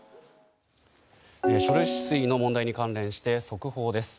処理水の問題に関連して速報です。